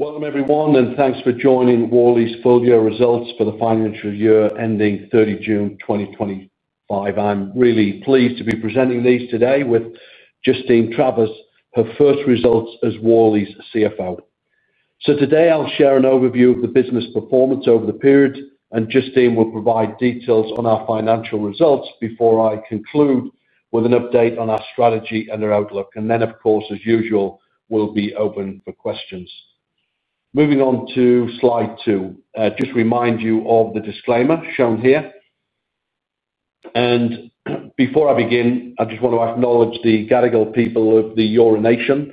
Welcome everyone and thanks for joining Worley Limited's full year results for the financial year ending 30th June 2025. I'm really pleased to be presenting these today with Justine Travers, her first results as Worley Limited's CFO. Today I'll share an overview of the business performance over the period and Justine will provide details on our financial results before I conclude with an update on our strategy and our outlook. Of course, as usual, we'll be open for questions. Moving on to Slide 2, just remind you of the disclaimer shown here. Before I begin, I just want to acknowledge the Gadigal people of the EORA Nation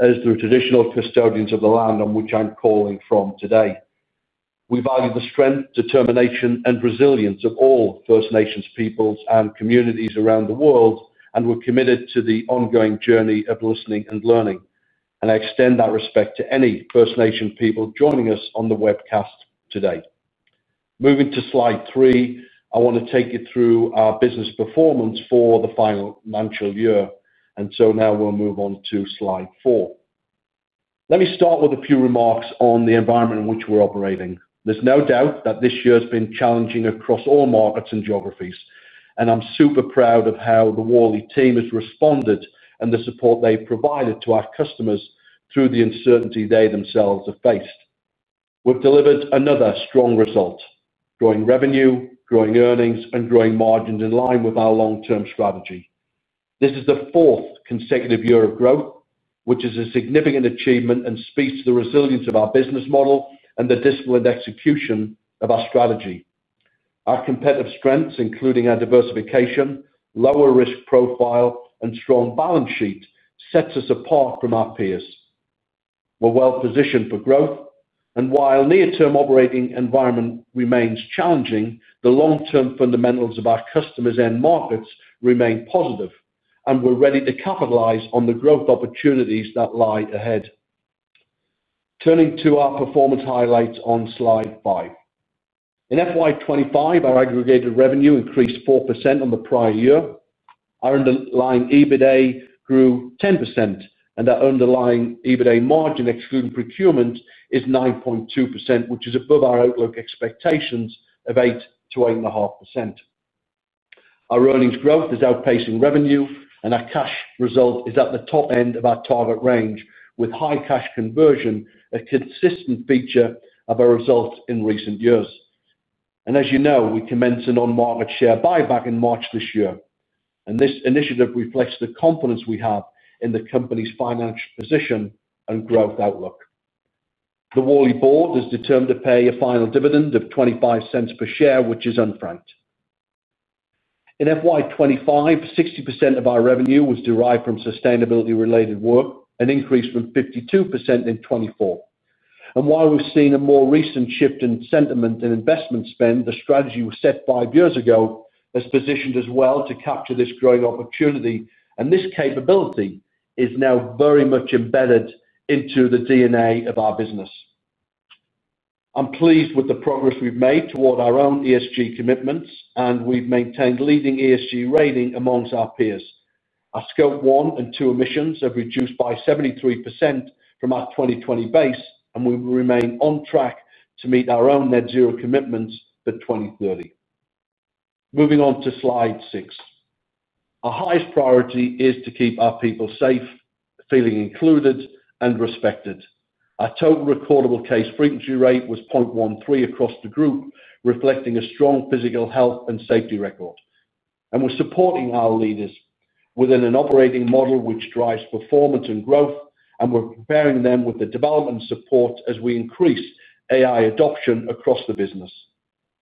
as the traditional custodians of the land on which I'm calling from today. We value the strength, determination, and resilience of all First Nations peoples and communities around the world, and we're committed to the ongoing journey of listening and learning. I extend that respect to any First Nation people joining us on the webcast today. Moving to Slide 3, I want to take you through our business performance for the final year. Now we'll move on to Slide 4. Let me start with a few remarks on the environment in which we're operating. There's no doubt that this year has been challenging across all markets and geographies, and I'm super proud of how the Worley team has responded and the support they provided to our customers through the uncertainty they themselves have faced. We've delivered another strong result, growing revenue, growing earnings, and growing margins in line with our long term strategy. This is the fourth consecutive year of growth, which is a significant achievement and speaks to the resilience of our business model and the disciplined execution of our strategy. Our competitive strengths, including our diversification, lower risk profile, and strong balance sheet, set us apart from our peers. We're well positioned for growth, and while the near term operating environment remains challenging, the long term fundamentals of our customers' end markets remain positive, and we're ready to capitalize on the growth opportunities that lie ahead. Turning to our performance highlights on Slide 5. In FY 2025 our aggregated revenue increased 4% on the prior year, our underlying EBITDA grew 10%, and our underlying EBITDA margin excluding procurement is 9.2%, which is above our outlook expectations of 8%-8.5%. Our earnings growth is outpacing revenue and our cash result is at the top end of our target range with high cash conversion, a consistent feature of our results in recent years. As you know, we commenced an on-market share buyback in March this year and this initiative reflects the confidence we have in the company's financial position and growth outlook. The Worley Board is determined to pay a final dividend of $0.25 per share, which is unfranked in FY 2025 60% of our revenue was derived from sustainability-related work, an increase from 52% in FY 2024. While we've seen a more recent shift in sentiment and investment spend, the strategy that was set five years ago is positioned as well to capture this growing opportunity and this capability is now very much embedded into the DNA of our business. I'm pleased with the progress we've made toward our own ESG commitments and we've maintained a leading ESG rating amongst our peers. Our scope one and two emissions have reduced by 73% from our 2020 base and we remain on track to meet our own net zero commitments for 2030. Moving on to Slide 6. Our highest priority is to keep our people safe, feeling included and respected. Our total recordable case frequency rate was 0.13 across the group, reflecting a strong physical, health and safety record. We're supporting our leaders within an operating model which drives performance and growth and we're preparing them with the development support as we increase AI adoption across the business.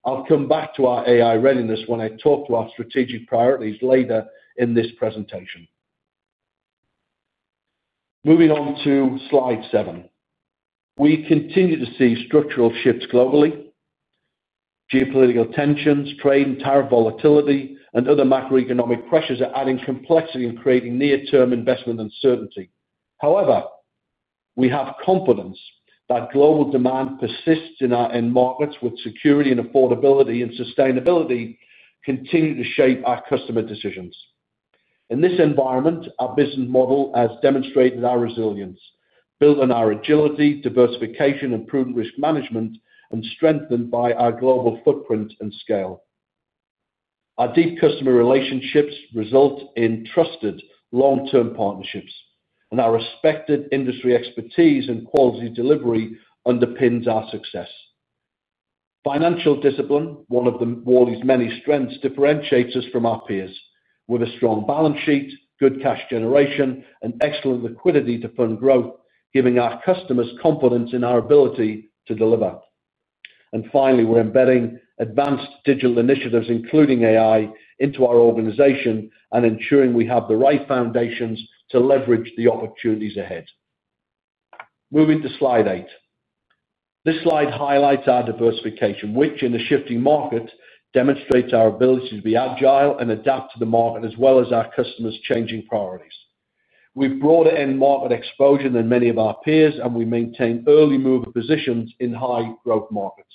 I'll come back to our AI readiness when I talk to our strategic priorities later in this presentation. Moving on to Slide 7. We continue to see structural shifts globally. Geopolitical tensions, trade and tariff volatility, and other macroeconomic pressures are adding complexity and creating near-term investment uncertainty. However, we have confidence that global demand persists in markets where security, affordability, and sustainability continue to shape our customer decisions. In this environment, our business model has demonstrated our resilience, built on our agility, diversification, and prudent risk management, and strengthened by our global footprint and scale. Our deep customer relationships result in trusted long-term partnerships and our respected industry expertise and quality delivery underpins our success. Financial discipline, one of Worley's many strengths, differentiates us from our peers with a strong balance sheet, good cash generation, and excellent liquidity to fund growth, giving our customers confidence in our ability to deliver. Finally, we're embedding advanced digital initiatives including AI into our organization and ensuring we have the right foundations to leverage the opportunities ahead. Moving to Slide 8. This slide highlights our diversification, which in the shifting market demonstrates our ability to be agile and adapt to the market as well as our customers' changing priorities. We've broader end market exposure than many of our peers, and we maintain early move positions in high growth markets.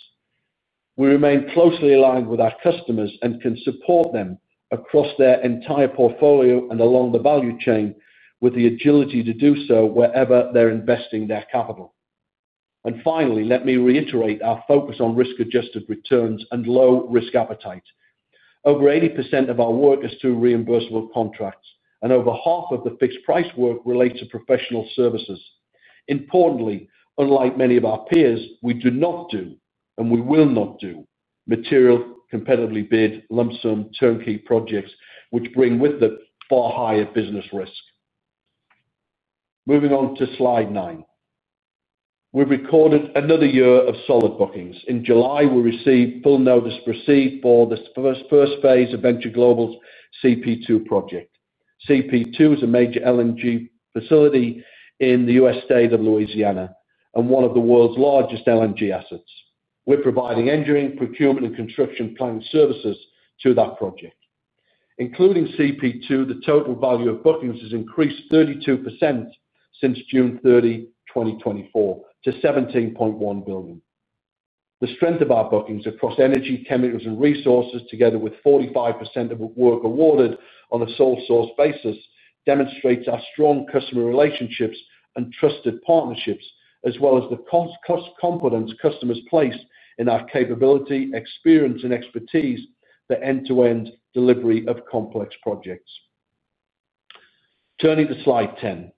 We remain closely aligned with our customers and can support them across their entire portfolio and along the value chain with the agility to do so wherever they're investing their capital. Finally, let me reiterate our focus on risk-adjusted returns and low risk appetite. Over 80% of our work is through reimbursable contracts, and over half of the fixed price work relates to professional services. Importantly, unlike many of our peers, we do not do and we will not do material competitively bid lump sum turnkey projects, which bring with them far higher business risk. Moving on to Slide 9, we've recorded another year of solid bookings. In July, we received full notice received for the first phase of Venture Global's CP2 project. CP2 is a major LNG facility in the U.S. state of Louisiana and one of the world's largest LNG assets. We're providing engineering, procurement, and construction planning services to that project. Including CP2, the total value of bookings has increased 32% since June 30th, 2024, to $17.1 billion. The strength of our bookings across energy, chemicals, and resources, together with 45% of work awarded on a sole source basis, demonstrates our strong customer relationships and trusted partnerships as well as the confidence customers place in our capability, experience, and expertise for end-to-end delivery of complex projects. Turning to Slide 10,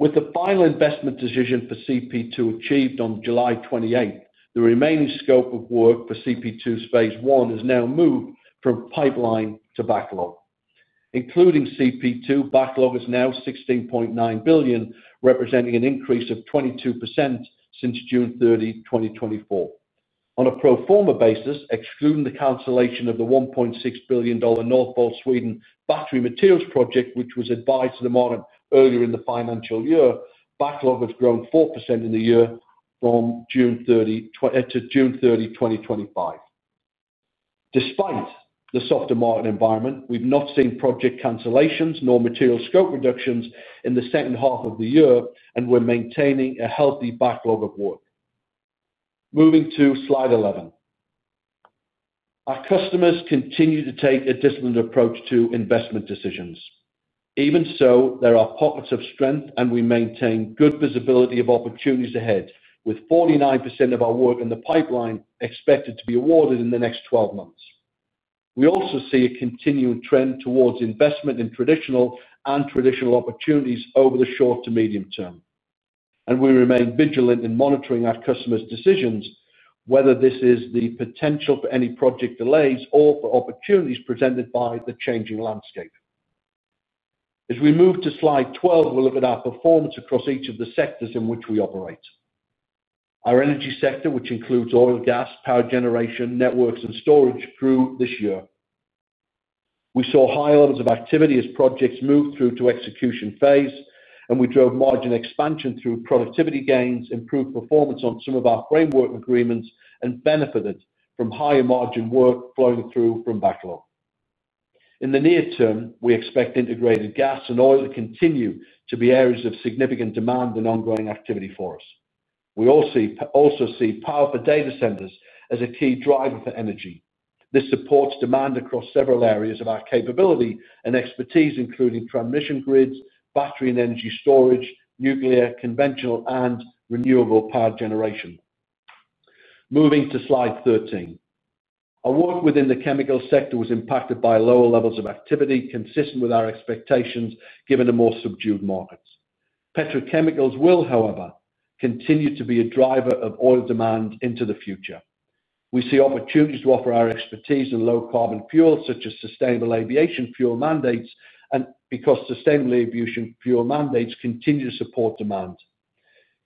with the Final Investment Decision for CP2 achieved on July 28th, the remaining scope of work for CP2's Phase I has now moved from pipeline to backlog. Including CP2, backlog is now $16.9 billion, representing an increase of 22% since June 30th, 2024. On a pro forma basis, excluding the cancellation of the $1.6 billion Northvolt Sweden battery materials project which was advised to the market earlier in the financial year, backlog has grown 4% in the year into June 30th, 2025. Despite the softer margin environment, we've not seen project cancellations nor material scope reductions in the second half of the year, and we're maintaining a healthy backlog of work. Moving to Slide 11. Our customers continue to take a disciplined approach to investment decisions. Even so, there are pockets of strength, and we maintain good visibility of opportunities ahead, with 49% of our work in the pipeline expected to be awarded in the next 12 months. We also see a continuing trend towards investment in traditional and transitional opportunities over the short to medium term, and we remain vigilant in monitoring our customers' decisions, whether this is the potential for any project delays or for opportunities presented by the changing landscape. As we move to Slide 12, we'll look at our performance across each of the sectors in which we operate. Our energy sector, which includes oil, gas, power generation networks, and storage, grew this year. We saw higher levels of activity as projects moved through to execution phase, and we drove margin expansion through productivity gains, improved performance on some of our framework agreements, and benefited from higher margin work flowing through from backlog. In the near term, we expect integrated gas and oil to continue to be areas of significant demand and ongoing activity for us. We also see powerful data centers as a key driver for energy. This supports demand across several areas of our capability and expertise, including transmission grids, battery and energy storage, nuclear, conventional, and renewable power generation. Moving to Slide 13. Our work within the chemicals sector was impacted by lower levels of activity, consistent with our expectations given a more subdued market. Petrochemicals will, however, continue to be a driver of oil demand into the future. We see opportunities to offer our expertise in low carbon fuels such as sustainable aviation fuel mandates. Because sustainable aviation fuel mandates continue to support demand,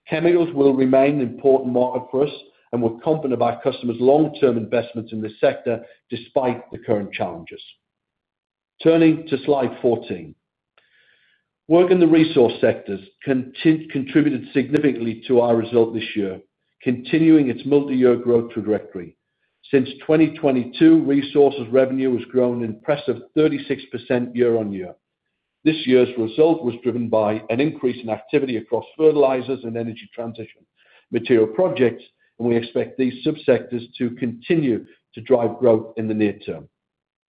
chemicals will remain an important market for us, and we're confident about customers' long-term investments in this sector despite the current challenges. Turning to Slide 14. Work in the resource sectors contributed significantly to our result this year. Continuing its multi-year growth trajectory. Since 2022, resources revenue has grown an impressive 36% year-on-year. This year's result was driven by an increase in activity across fertilizers and energy transition material projects, and we expect these subsectors to continue to drive growth in the near term.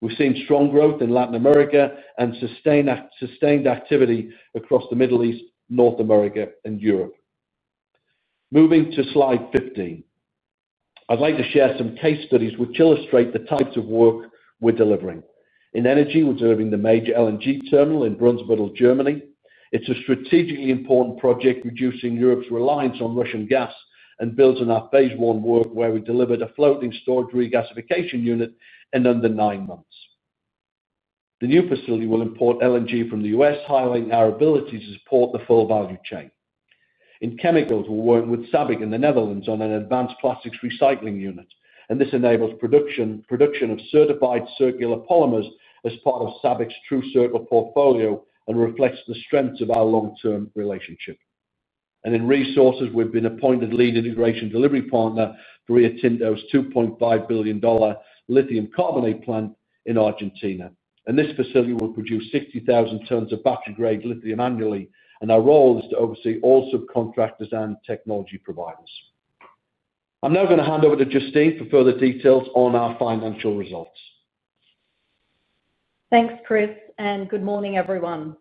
We've seen strong growth in Latin America and sustained activity across the Middle East, North America, and Europe. Moving to Slide 15. I'd like to share some case studies which illustrate the types of work delivering. In energy we're delivering the major LNG terminal in Brunswick, Germany. It's a strategically important project reducing Europe's reliance on Russian gas and builds on our phase one work where we delivered a floating storage regasification unit in under nine months. The new facility will import LNG from the U.S., highlighting our ability to support the full value chain. In chemicals, we're working with SABIC in the Netherlands on an advanced plastics recycling unit, and this enables production of certified circular polymers as part of SABIC's TrueCircle portfolio and reflects the strengths of our long-term relationship. In resources, we've been appointed Lean Integration Delivery partner for Rio Tinto's $2.5 billion lithium carbonate plant in Argentina. This facility will produce 60,000 tonnes of battery grade lithium annually, and our role is to oversee all subcontractors and technology providers. I'm now going to hand over to Justine for further details on our financial results. Thanks Chris and good morning everyone.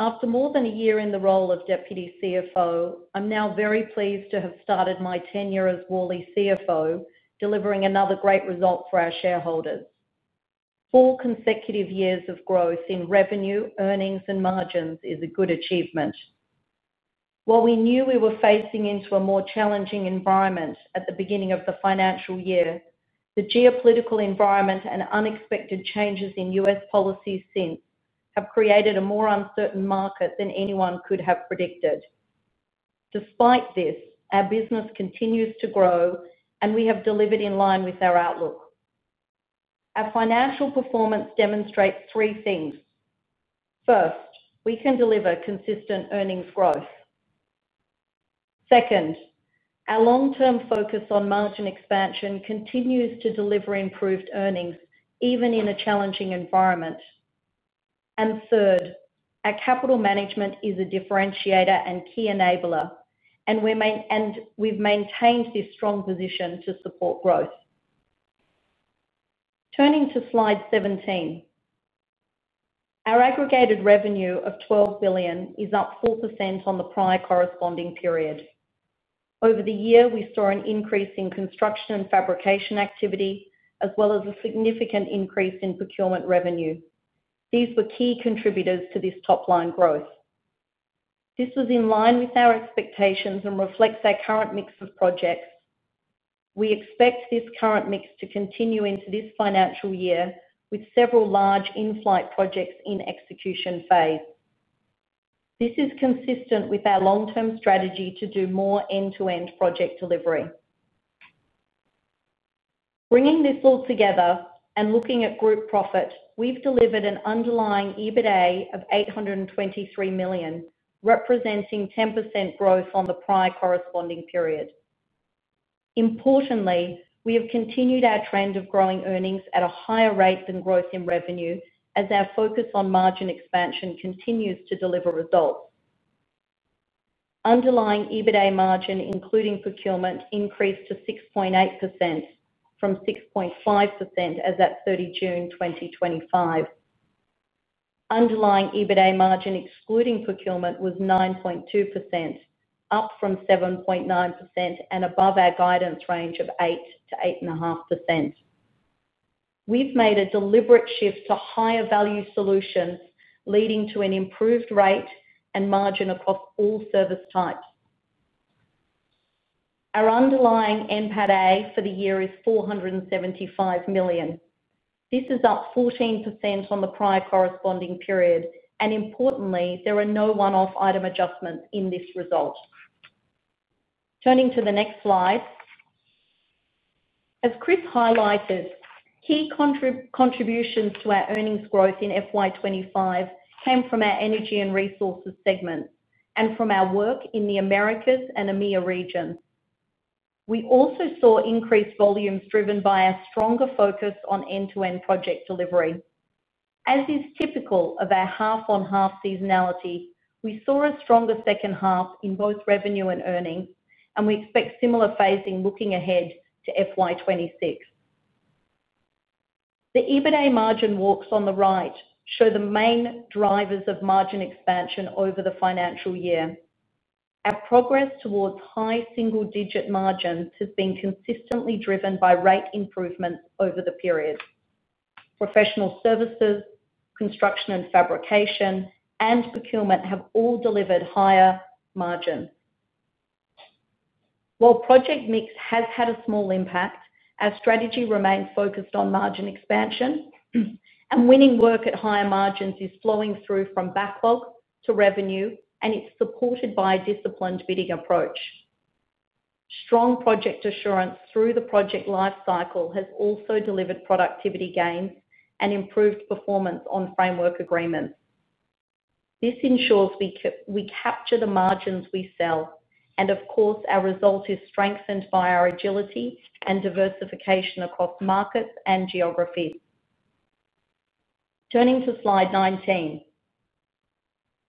After more than a year in the role of Deputy CFO, I'm now very pleased to have started my tenure as Worley CFO, delivering another great result for our shareholders. Four consecutive years of growth in revenue, earnings, and margins is a good achievement. While we knew we were facing into a more challenging environment at the beginning of the financial year, the geopolitical environment and unexpected changes in U.S. policies since have created a more uncertain market than anyone could have predicted. Despite this, our business continues to grow and we have delivered in line with our outlook. Our financial performance demonstrates three things. First, we can deliver consistent earnings growth. Second, our long-term focus on margin expansion continues to deliver improved earnings even in a challenging environment. Third, our capital management is a differentiator and key enabler and we've maintained this strong position to support growth. Turning to Slide 17. Our aggregated revenue of $12 billion is up 4% on the prior corresponding period. Over the year, we saw an increase in construction and fabrication activity as well as a significant increase in procurement revenue. These were key contributors to this top line growth. This was in line with our expectations and reflects our current mix of projects. We expect this current mix to continue into this financial year with several large inflight projects in execution phase. This is consistent with our long-term strategy to do more end-to-end project delivery. Bringing this all together and looking at group profit, we've delivered an underlying EBITDA of $823 million representing 10% growth on the prior corresponding period. Importantly, we have continued our trend of growing earnings at a higher rate than growth in revenue as our focus on margin expansion continues to deliver results. Underlying EBITDA margin including procurement increased to 6.8% from 6.5% as at 30th June 2025. Underlying EBITDA margin excluding procurement was 9.2%, up from 7.9% and above our guidance range of 8%-8.5%. We've made a deliberate shift to higher value solutions leading to an improved rate and margin across all service types. Our underlying NPATA for the year is $475 million. This is up 14% on the prior corresponding period and importantly there are no one-off item adjustments in this result. Turning to the next slide. As Chris highlighted, key contributions to our earnings growth in FY 2025 came from our energy and resources segment and from our work in the Americas and EMEA region. We also saw increased volumes driven by a stronger focus on end-to-end project delivery. As is typical of our half-on-half seasonality, we saw a stronger second half in both revenue and earnings, and we expect similar phasing looking ahead to FY 2026. The EBITDA margin walks on the right show the main drivers of margin expansion over the financial year. Our progress towards high single-digit margins has been consistently driven by rate improvements over the period. Professional services, construction and fabrication, and procurement have all delivered higher margin. While project mix has had a small impact, our strategy remains focused on margin expansion, and winning work at higher margins is flowing through from backlog to revenue, and it's supported by a disciplined bidding approach. Strong project assurance through the project life cycle has also delivered productivity gains and improved performance on framework agreements. This ensures we capture the margins we sell, and of course, our result is strengthened by our agility and diversification across markets and geographies. Turning to Slide 19.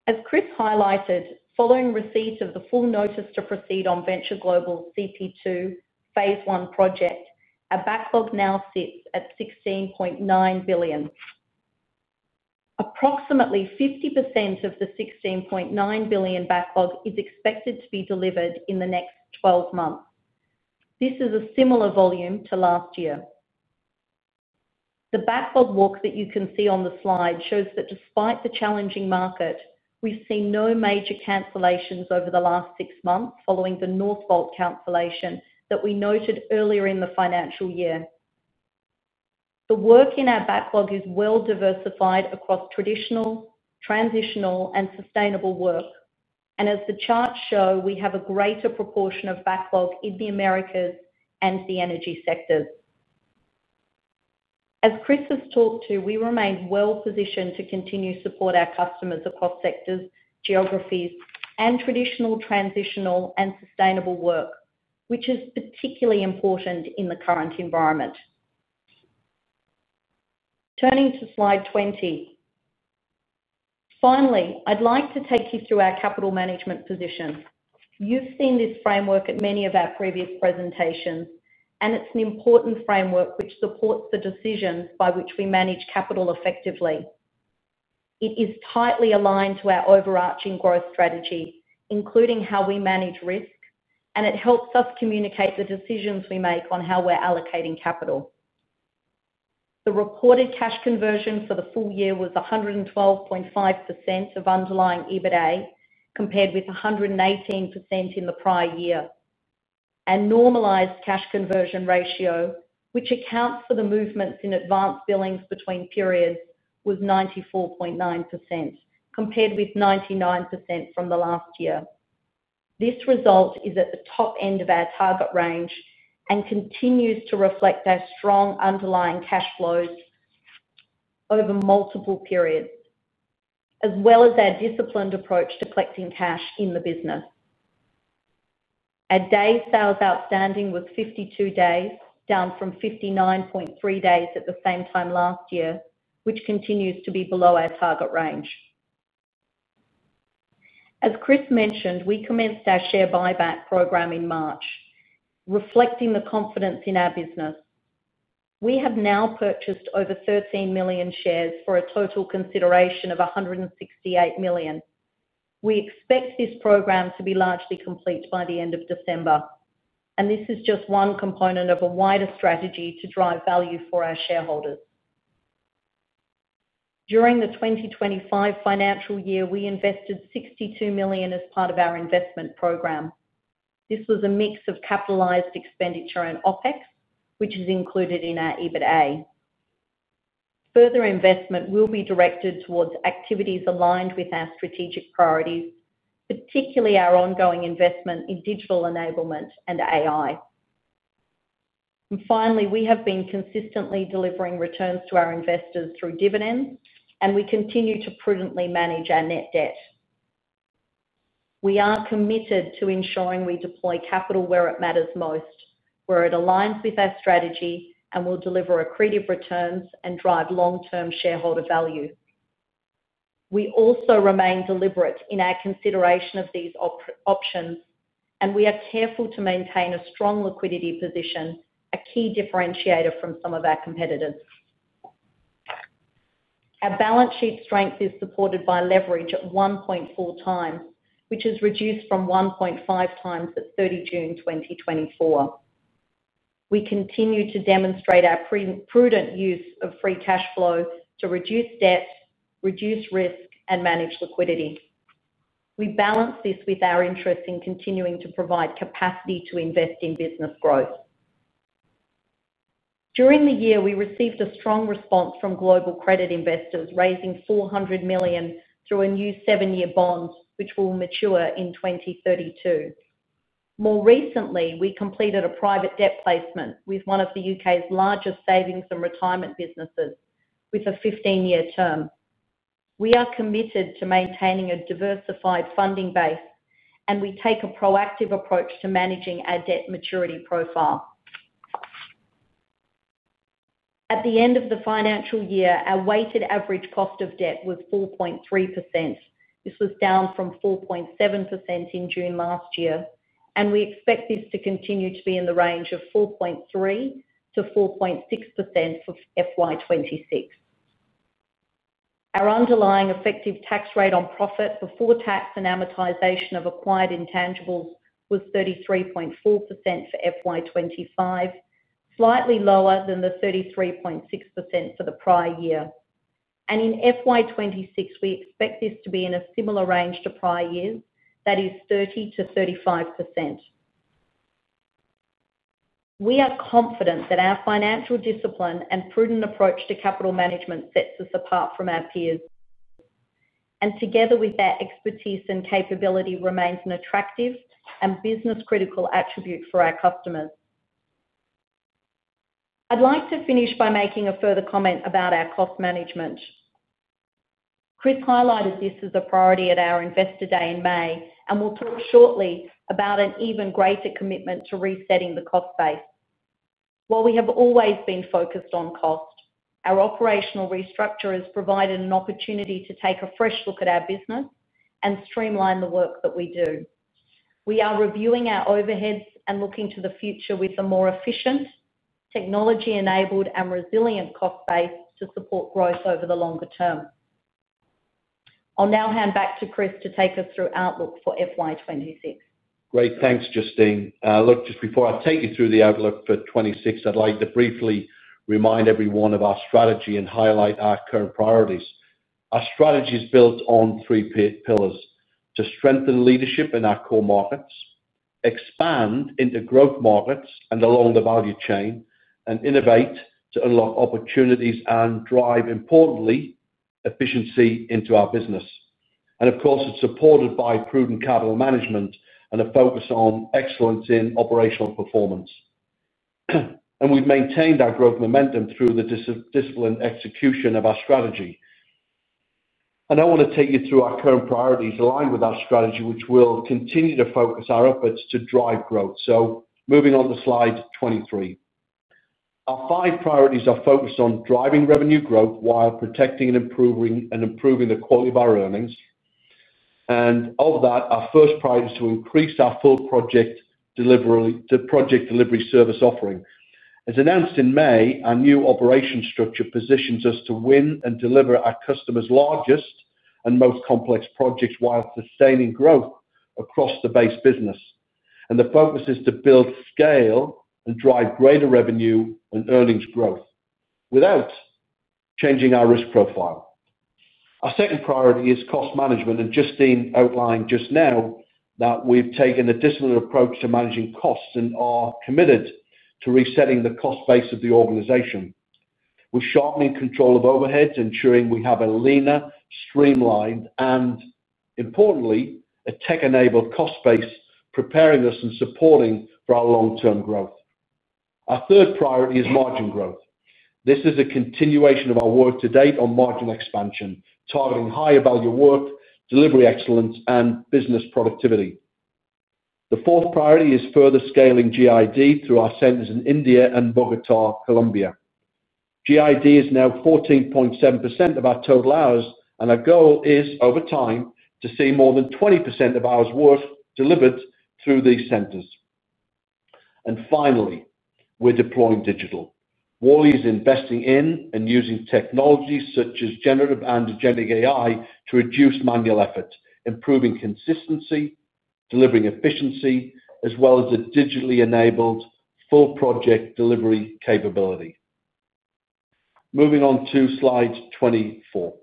As Chris highlighted, following receipt of the full notice to proceed on Venture Global CP2 Phase I project, our backlog now sits at $16.9 billion. Approximately 50% of the $16.9 billion backlog is expected to be delivered in the next 12 months. This is a similar volume to last year. The backlog walk that you can see on the slide shows that despite the challenging market, we've seen no major cancellations over the last six months following the Northvolt cancellation that we noted earlier in the financial year. The work in our backlog is well diversified across traditional, transitional, and sustainable work, and as the charts show, we have a greater proportion of backlog in the Americas and the energy sectors. As Chris has talked to, we remain well positioned to continue to support our customers across sectors and geographies and traditional, transitional, and sustainable work, which is particularly important in the current environment. Turning to Slide 20. Finally, I'd like to take you through our capital management position. You've seen this framework at many of our previous presentations, and it's an important framework which supports the decisions by which we manage capital effectively. It is tightly aligned to our overarching growth strategy, including how we manage risk, and it helps us communicate the decisions we make on how we're allocating capital. The reported cash conversion for the full year was 112.5% of underlying EBITDA compared with 118% in the prior year, and normalized cash conversion ratio, which accounts for the movements in advance billings between periods, was 94.9% compared with 99% from the last year. This result is at the top end of our target range and continues to reflect our strong underlying cash flows over multiple periods as well as our disciplined approach to collecting cash in the business. Days sales outstanding was 52 days, down from 59.3 days at the same time last year, which continues to be below our target range. As Chris mentioned, we commenced our on-market share buyback program in March, reflecting the confidence in our business. We have now purchased over 13 million shares for a total consideration of $168 million. We expect this program to be largely complete by the end of December, and this is just one component of a wider strategy to drive value for our shareholders. During the 2025 financial year, we invested $62 million as part of our investment program. This was a mix of capitalized expenditure and OpEx, which is included in our EBITDA. Further investment will be directed towards activities aligned with our strategic priorities, particularly our ongoing investment in digital enablement and AI. Finally, we have been consistently delivering returns to our investors through dividends, and we continue to prudently manage our net debt. We are committed to ensuring we deploy capital where it matters most, where it aligns with our strategy and will deliver accretive returns and drive long-term shareholder value. We also remain deliberate in our consideration of these options, and we are careful to maintain a strong liquidity position, a key differentiator from some of our competitors. Our balance sheet strength is supported by leverage at 1.4x, which has reduced from 1.5x at 30th June 2024. We continue to demonstrate our prudent use of free cash flow to reduce debts, reduce risk, and manage liquidity. We balance this with our interest in continuing to provide capacity to invest in business growth during the year. We received a strong response from global credit investors, raising $400 million through a new seven-year bond, which will mature in 2032. More recently, we completed a private debt placement with one of the U.K.'s largest savings and retirement businesses with a 15-year term. We are committed to maintaining a diversified funding base, and we take a proactive approach to managing our debt maturity profile. At the end of the financial year, our weighted average cost of debt was flat at 4.3%. This was down from 4.7% in June last year, and we expect this to continue to be in the range of 4.3%-4.6% for FY 2026. Our underlying effective tax rate on profit before tax and amortization of acquired intangibles was 33.4% for FY 2025, slightly lower than the 33.6% for the prior year, and in FY 2026, we expect this to be in a similar range to prior years, that is, 30%-35%. We are confident that our financial discipline and prudent approach to capital management sets us apart from our peers, and together with that expertise and capability, remains an attractive and business-critical attribute for our customers. I'd like to finish by making a further comment about our cost management. Chris highlighted this as a priority at our Investor Day in May and will talk shortly about an even greater commitment to resetting the cost base. While we have always been focused on cost, our operational restructure has provided an opportunity to take a fresh look at our business and streamline the work that we do. We are reviewing our overheads and looking to the future with a more efficient, technology-enabled, and resilient cost base to support growth over the longer term. I'll now hand back to Chris to take us through outlook for FY 2026. Great. Thanks Justine. Just before I take you through the outlook for 2026, I'd like to briefly remind everyone of our strategy and highlight our current priorities. Our strategy is built on three pillars: to strengthen leadership in our core markets, expand into growth markets and along the value chain, and innovate to unlock opportunities and drive, importantly, efficiency into our business. Of course, it's supported by prudent capital management and a focus on excellence in operational performance. We've maintained our growth momentum through the disciplined execution of our strategy. I want to take you through our current priorities aligned with our strategy, which will continue to focus our efforts to drive growth. Moving on to Slide 23. Our five priorities are focused on driving revenue growth while protecting and improving the quality of our earnings. Over that, our first priority is to increase our full project delivery service offering. As announced in May, our new operation structure positions us to win and deliver our customers' largest and most complex projects while sustaining growth across the base business. The focus is to build, scale, and drive greater revenue and earnings growth without changing our risk profile. Our second priority is cost management, and Justine outlined just now that we've taken a disciplined approach to managing costs and are committed to resetting the cost base of the organization. We're sharply in control of overheads, ensuring we have a leaner, streamlined, and, importantly, a tech-enabled cost base preparing us and supporting our long-term growth. Our third priority is margin growth. This is a continuation of our work to date on margin expansion, targeting higher value, work delivery, excellence, and business productivity. The fourth priority is further scaling GID through our centers in India and Bogota, Colombia. GID is now 14.7% of our total hours, and our goal is, over time, to see more than 20% of hours' worth delivered through these centers. Finally, we're deploying Digital Warrior, investing in and using technologies such as generative and genetic AI to reduce manual effort, improve consistency, deliver efficiency, as well as a digitally enabled full project delivery capability. Moving on to Slide 24.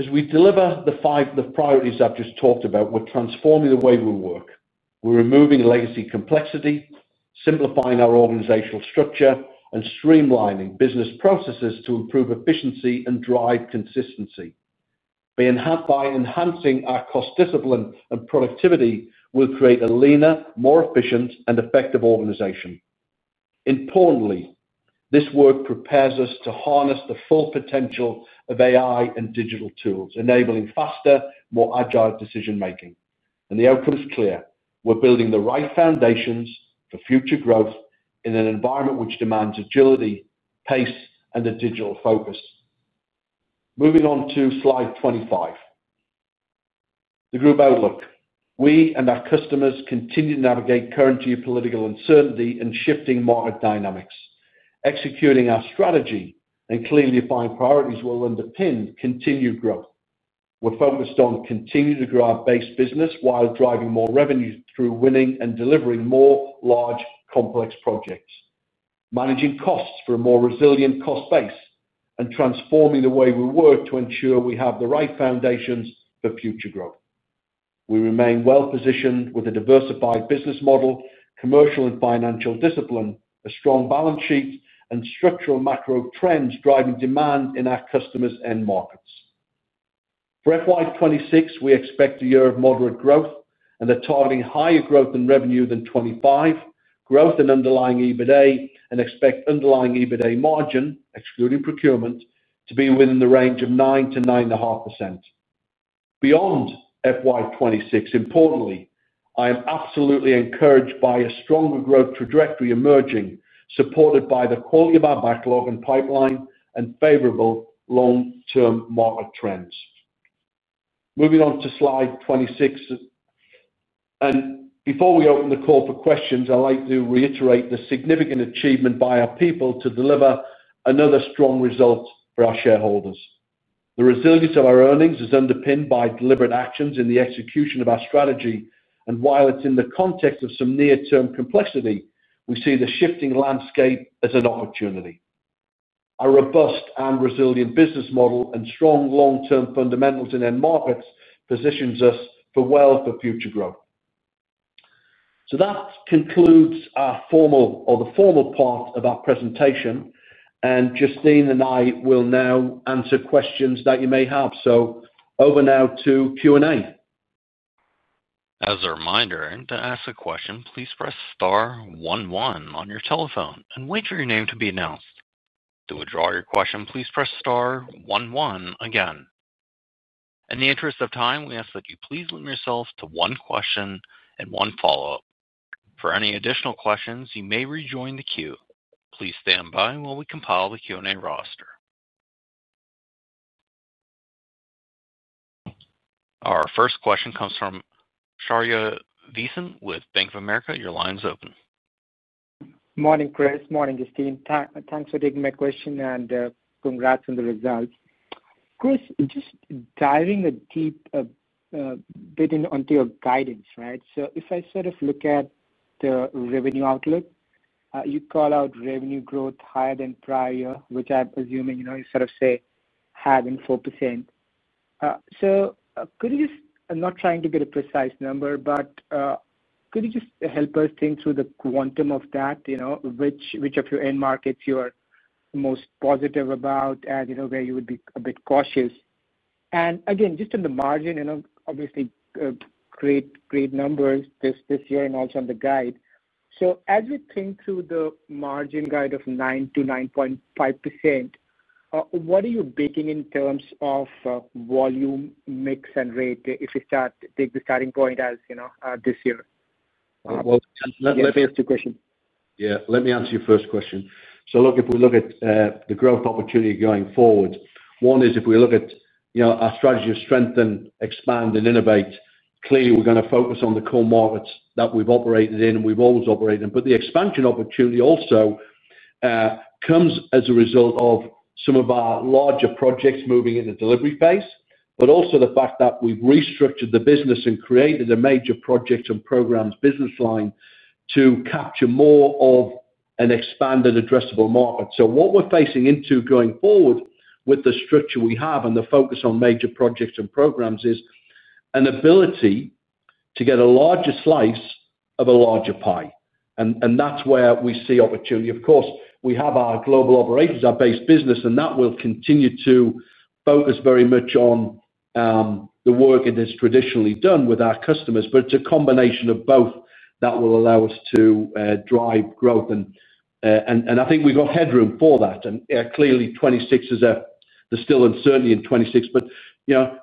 As we deliver the five priorities I've just talked about, we're transforming the way we work. We're removing legacy complexity, simplifying our organizational structure, and streamlining business processes to improve efficiency and drive consistency. By enhancing our cost discipline and productivity, we will create a leaner, more efficient, and effective organization. Importantly, this work prepares us to harness the full potential of AI and digital tools, enabling faster, more agile decision making, and the output is clear. We're building the right foundations for future growth in an environment which demands agility, pace, and a digital focus. Moving on to Slide 25. The group outlook. We and our customers continue to navigate current geopolitical uncertainty and shifting market dynamics. Executing our strategy and clearly defined priorities will underpin continued growth. We're focused on continuing to grow our base business while driving more revenue through winning and delivering more large, complex projects, managing costs for a more resilient cost base, and transforming the way we work to ensure we have the right foundations for future growth. We remain well positioned with a diversified business model, commercial and financial discipline, a strong balance sheet, and structural macro trends driving demand in our customers' end markets. For FY 2026, we expect a year of moderate growth and are targeting higher growth in revenue than 2025, growth in underlying EBITDA, and expect underlying EBITDA margin excluding procurement to be within the range of 9%-9.5%. Beyond FY 2026, importantly, I am absolutely encouraged by a stronger growth trajectory emerging, supported by the quality of our backlog and pipeline and favorable long-term market trends. Moving on to Slide 26, and before we open the call for questions, I'd like to reiterate the significant achievement by our people to deliver another strong result for our shareholders. The resilience of our earnings is underpinned by deliberate actions in the execution of our strategy, and while it's in the context of some near-term complexity, we see the shifting landscape as an opportunity. Our robust and resilient business model and strong long-term fundamentals in end markets position us well for future growth. That concludes the formal part of our presentation, and Justine and I will now answer questions that you may have. Over now to Q&A. As a reminder, to ask a question, please press Star one-one on your telephone and wait for your name to be announced. To withdraw your question, please press star one-one again. In the interest of time, we ask that you please limit yourself to one question and one follow-up. For any additional questions, you may rejoin the queue. Please stand by while we compile the Q&A roster. Our first question comes from Shaurya Visen with Bank or America. Your line is open. Morning, Chris. Morning, Justine. Thanks for taking my question and congrats on the results. Chris, just diving a deep bit onto your guidance. Right, so if I sort of look at the revenue outlook, you call out revenue growth higher than prior year, which I'm assuming, you know, you sort of say having 4%, so could you just, I'm not trying to get a precise number, but could you just help us think through the quantum of that, you know, which of your end markets you are most positive about and you know, where you would be a bit cautious. Again, just in the margin, you know, obviously great, great numbers this year and also on the guide. As we think through the margin guide of 9%-9.5%, what are you baking in terms of volume, mix and rate? If you take the starting point, as you know, this year. Let me answer your first question. If we look at the growth opportunity going forward, one is if we look at our strategy of strengthen, expand and innovate, clearly we're going to focus on the core markets that we've operated in and we've always operated in. The expansion opportunity also comes as a result of some of our larger projects moving in the delivery phase. Also, the fact that we've restructured the business and created a major project and programs business line to capture more of an expanded addressable market. What we're facing into going forward with the structure we have and the focus on major projects and programs is an ability to get a larger slice of a larger pie. That's where we see opportunity. Of course, we have our global operations, our base business, and that will continue to focus very much on the work it has traditionally done with our customers. It's a combination of both that will allow us to drive growth and I think we've got headroom for that. Clearly, 2026 is still uncertainty in 2026, but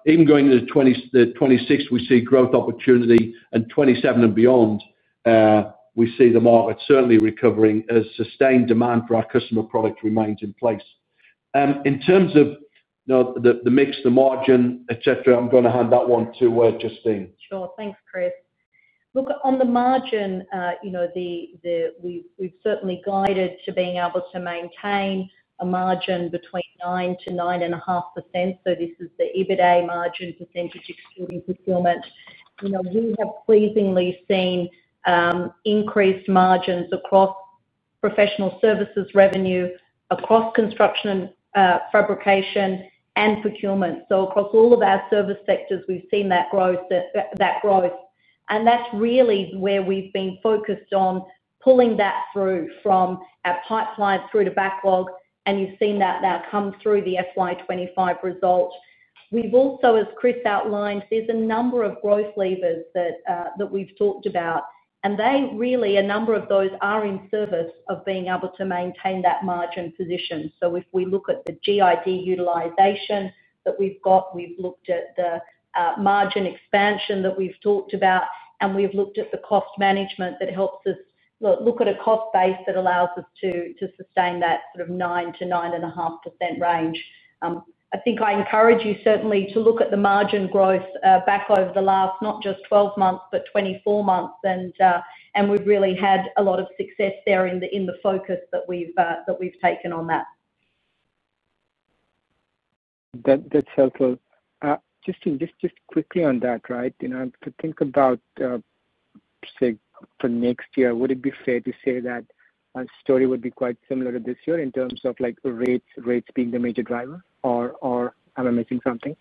even going to 2026 we see growth opportunity and 2027 and beyond, we see the market certainly recovering as sustained demand for our customer product remains in place. In terms of the mix, the margin, et cetera, I'm going to hand that one to Justine. Sure. Thanks Chris. Look, on the margin, we've certainly guided to being able to maintain a margin between 9%-9.5%. This is the EBITDA margin percentage, excluding fulfillment. We have pleasingly seen increased margins across professional services, revenue across construction, fabrication, and procurement. Across all of our service sectors, we've seen that growth. That's really where we've been focused on pulling that through from our pipeline through to backlog. You've seen that now come through the FY 2025 result. As Chris outlined, there's a number of growth levers that we've talked about, and a number of those are in service of being able to maintain that margin position. If we look at the GID utilization that we've got, we've looked at the margin expansion that we've talked about, and we've looked at the cost management that helps us look at a cost base that allows us to sustain that sort of 9%-9.5% range. I encourage you certainly to look at the margin growth back over the last, not just 12 months, but 24 months. We've really had a lot of success there in the focus that we've taken on that. That's helpful. Just quickly on that, to think about, say, for next year, would it be fair to say that a story would be quite similar to this year in terms of rates being the major driver? Or am I missing something?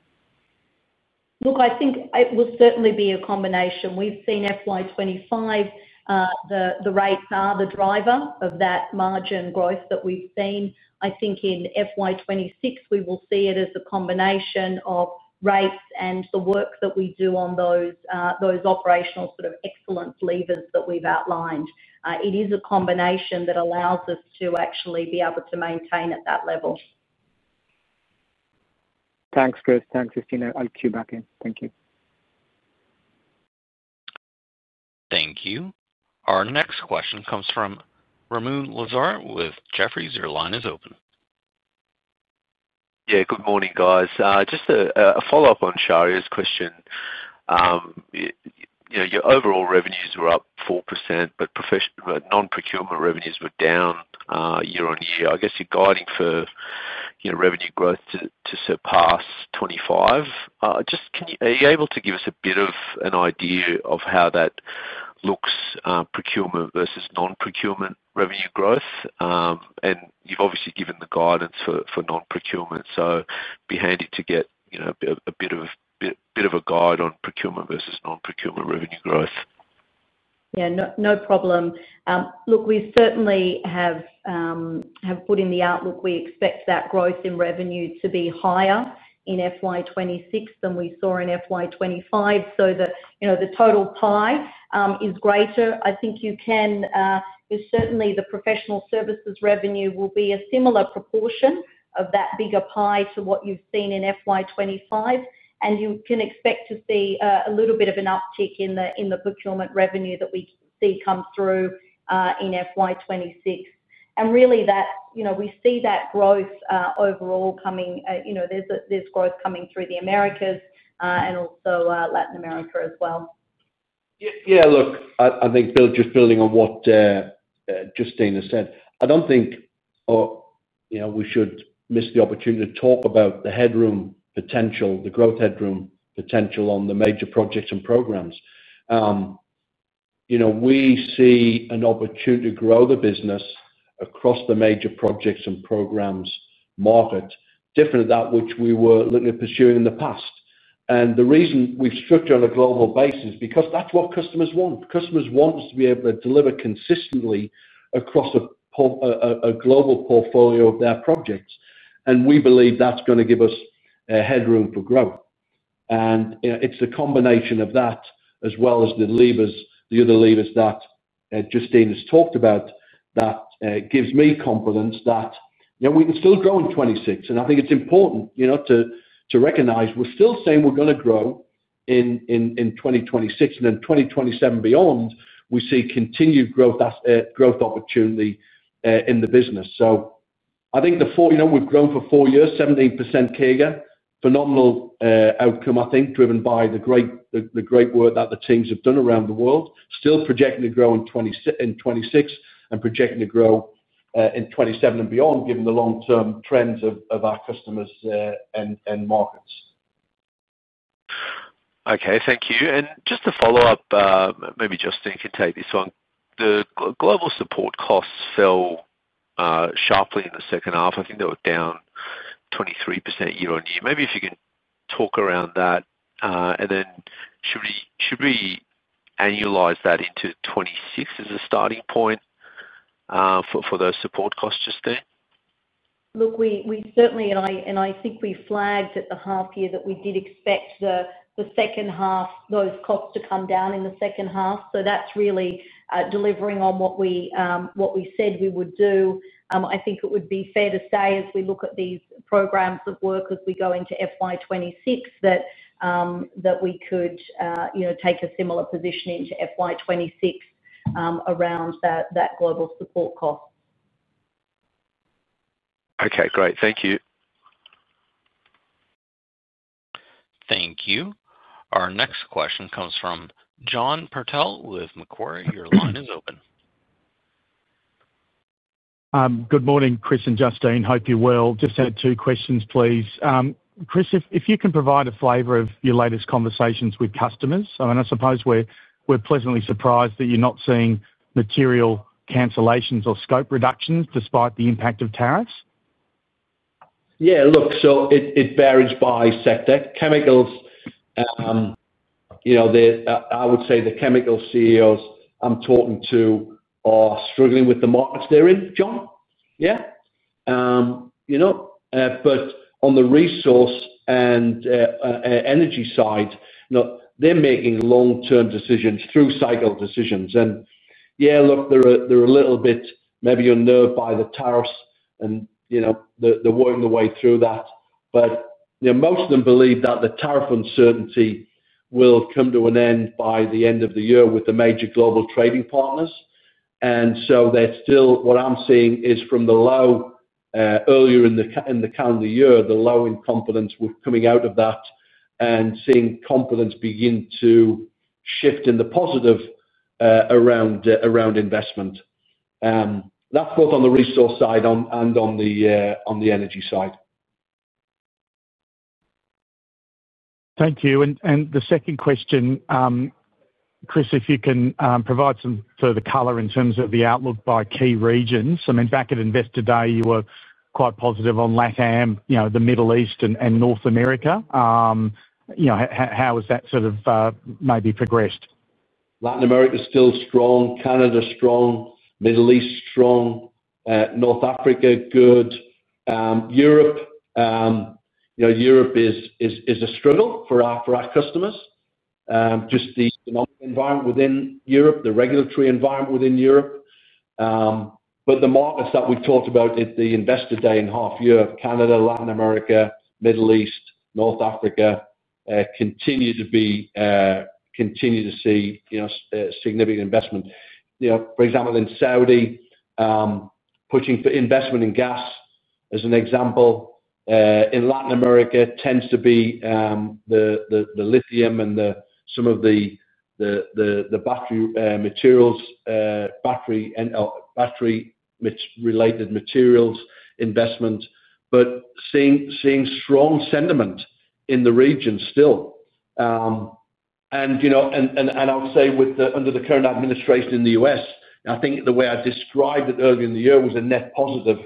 Look, I think it will certainly be a combination. We've seen FY 2025, the rates are the driver of that margin growth that we, I think in FY 2026 we will see it as a combination of rates and the work that we do on those operational sort of excellence levers that we've outlined. It is a combination that allows us to actually be able to maintain at that level. Thanks, Chris. Thanks, Christina. I'll queue back in. Thank you. Thank you. Our next question comes from Ramoun Lazar with Jefferies. Your line is open. Yeah. Good morning, guys. Just a follow up on Shaurya's question. Your overall revenues were up 4% but non procurement revenues were down year-on-year. I guess you're guiding for revenue growth to surpass 2025. Are you able to give us a bit of an idea of how that looks, procurement versus non procurement revenue growth? You've obviously given the guidance for non procurement, so be handy to get a bit of a guide on procurement versus non procurement revenue growth. Yeah, no problem. Look, we certainly have put in the outlook. We expect that growth in revenue to be higher in FY 2026 than we saw in FY 2025, so that the total piece is greater. I think you can certainly see the professional services revenue will be a similar proportion of that bigger pie to what you've seen in FY 2025. You can expect to see a little bit of an uptick in the procurement revenue that we see come through in FY 2026. Really, we see that growth overall coming. There's this growth coming through the Americas and also Latin America as well. Yeah. Look, I think just building on what Justine has said, I don't think we should miss the opportunity to talk about the headroom potential, the growth headroom potential on the major projects and programs. We see an opportunity to grow the business across the major projects and programs market different than that which we were looking at pursuing in the past. The reason we've structured on a global basis is because that's what customers want. Customers want us to be able to deliver consistently across a global portfolio of their projects. We believe that's going to give us headroom for growth. It's the combination of that as well as the levers, the other levers that Justine has talked about, that gives me confidence that we can still grow in 2026. I think it's important to recognize we're still saying we're going to grow in 2026 and in 2027 and beyond. We see continued growth opportunity in the business. I think we've grown for four years, 17% CAGR, phenomenal outcome, I think driven by the great work that the teams have done around the world, still projecting to grow in 2026 and projecting to grow in 2027 and beyond, given the long-term trends of our customers and markets. Okay, thank you. Just to follow up, maybe Justine could take this one. The global support costs fell sharply in the second half. I think they were down 23% year-on-year. Maybe if you can talk around that. Then should we annualize that into 2026 as a starting point for those support costs, Justine. Look, we certainly, and I think we flagged at the half year that we did expect the second half, those costs to come down in the second half. That's really delivering on what we said we would do. I think it would be fair to say as we look at these programs that work as we go into FY 2026, that we could, you know, take a similar position into FY 2026, around that global support cost. Okay, great. Thank you. Thank you. Our next question comes from John Purtell with Macquarie. Your line is open. Good morning, Chris and Justine. Hope you're well. Just had two questions, please. Chris, if you can provide a flavor of your latest conversations with customers. I mean, I suppose we're pleasantly surprised that you're not seeing material cancellations or scope reductions despite the impact of tariffs. Yeah, look, it varies by sector. Chemicals, I would say the chemical CEOs I'm talking to are struggling with the markets they're in, John, but on the resource and energy side, not. They're making long-term decisions, through-cycle decisions. They're a little bit maybe unnerved by the tariffs and they're working their way through that. Most of them believe that the tariff uncertainty will come to an end by the end of the year with the major global trading partners. That's still, what I'm seeing is from the low earlier in the calendar year, the low in confidence, we're coming out of that and seeing confidence begin to shift in the positive around investment. That's both on the resource side and on the energy side. Thank you. And the second question, Chris, if you can provide some further color in terms of the outlook by key regions. I mean, back at investor day, you were quite positive on Latin America, the Middle East, and North America. How has that maybe progressed? Latin America still strong. Canada strong. Middle East strong. North Africa good. Europe is a struggle for our customers, just the environment within Europe, the regulatory environment within Europe. The markets that we talked about at the investor day in half, Europe, Canada, Latin America, Middle East, North Africa, continue to see significant investment. For example, in Saudi, pushing for investment in gas as an example. In Latin America, it tends to be the lithium and some of the battery-related materials investment, but seeing strong sentiment in the region still. I'll say under the current administration in the U.S., I think the way I described it earlier in the year was a net positive,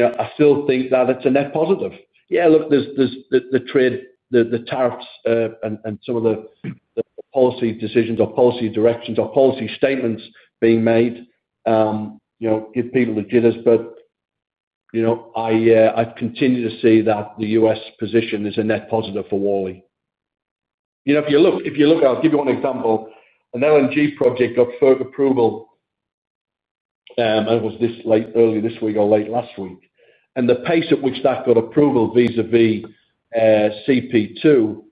and I still think that it's a net positive. There's the trade, the tariffs, and some of the policy decisions or policy directions or policy statements being made give people the jitters, but I continue to see that the U.S. position is a net positive for Worley. If you look, I'll give you one example. An LNG project got FERC approval. It was earlier this week or late last week. The pace at which that got approval vis a vis CP2,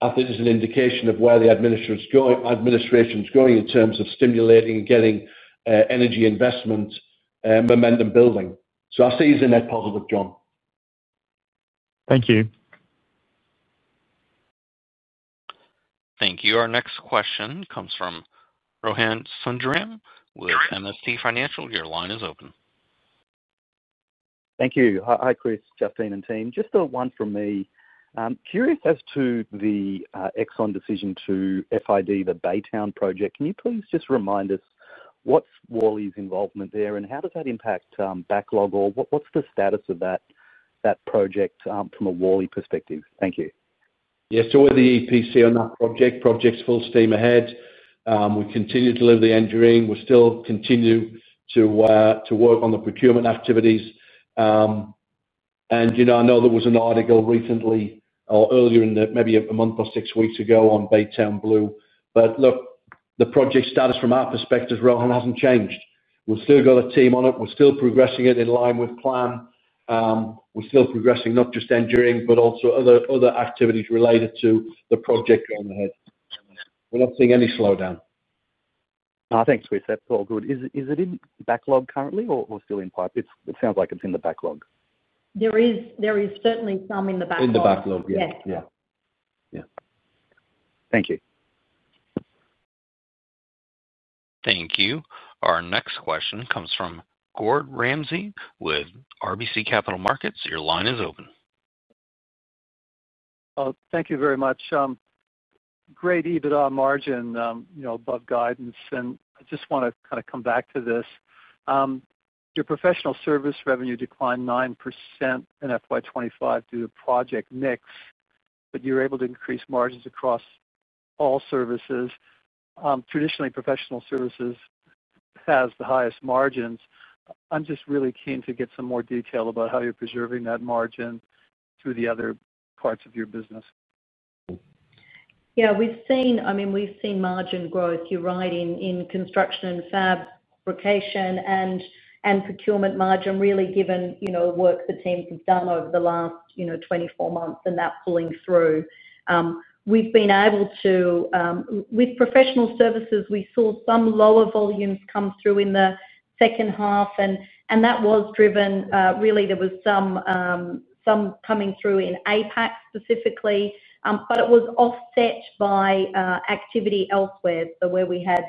I think is an indication of where the administration's going in terms of stimulating, getting energy investment, momentum building. I see it as a net positive, John. Thank you. Our next question comes from Rohan Sundram with MST Financial. Your line is open. Thank you. Hi, Chris, Justine and team. Just one from me, curious as to the Exxon decision to FID the Baytown project. Can you please just remind us what's Worley's involvement there and how does that impact backlog or what's the status of that project from a Worley perspective? Thank you. Yes. With the EPC on that project, project's full steam ahead. We continue to deliver the engineering. We're still continuing to work on the procurement activities. I know there was an article recently or maybe a month or six weeks ago on Baytown Blue, but the project status from our perspective, Rohan, hasn't changed. We've still got a team on it. We're still progressing it in line with plan. We're still progressing not just engineering, but also other activities related to the project going ahead. We're not seeing any slowdown. Thanks, Chris. That's all good. Is it in backlog currently or still in pipe? It sounds like it's in the backlog. There is certainly some in the back. In the backlog. Yes. Thank you. Thank you. Our next question comes from Gordon Ramsay with RBC Capital Markets. Your line is open. Thank you very much. Great. EBITDA margin, you know, above guidance. I just want to kind of come back to this. Your professional service revenue declined 9% in FY 2025 due to project mix, but you're able to increase margins across all services. Traditionally, professional services has the highest margins. I'm just really keen to get some more detail about how you're preserving that margin through the other parts of your business. Yeah, we've seen margin growth, you're right. In construction, fabrication, and procurement margin, really, given work the team has done over the last 24 months and that pulling through, we've been able to, with professional services, we saw some lower volumes come through in the second half and that was driven, really, there was some coming through in APAC specifically, but it was offset by activity elsewhere. Where we had